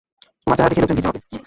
তোমার চেহারা দেখেই লোকজন ভিড় জমাবে।